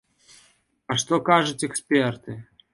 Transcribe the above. А што кажуць эксперты?